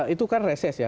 itu kan reses ya